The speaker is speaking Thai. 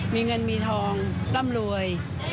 มีเงินมีทองร่ำรวย